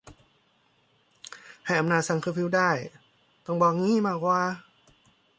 ให้อำนาจสั่งเคอร์ฟิวได้ ต้องบอกงี้มากกว่า